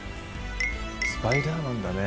『スパイダーマン』だね